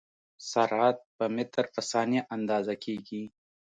سرعت په متر په ثانیه اندازه کېږي.